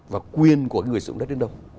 và quyền của người sử dụng đất đến đâu